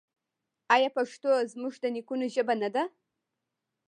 آیا پښتو زموږ د نیکونو ژبه نه ده؟